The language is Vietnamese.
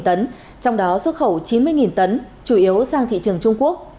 trong đó xuất khẩu chín mươi tấn chủ yếu sang thị trường trung quốc